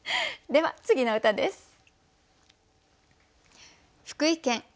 では次の歌です。